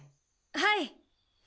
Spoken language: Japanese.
はい！